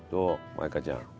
舞香ちゃん。